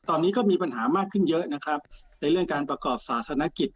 ตอนนี้ก็มีปัญหามากขึ้นเยอะนะครับในเรื่องการประกอบศาสนกิจ